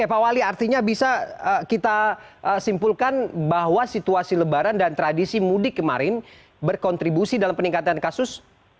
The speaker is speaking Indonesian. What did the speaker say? ya pak wali artinya bisa kita simpulkan bahwa situasi lebaran dan tradisi mudik kemarin berkontribusi dalam peningkatan kasus